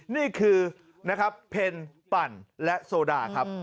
นี่คือนะครับเพ็ญปั่นและโซดาครับ